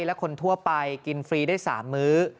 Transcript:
และคนทั่วไปกินฟรีได้๓มื้อ